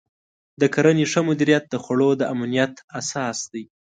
د کرنې ښه مدیریت د خوړو د امنیت اساس دی.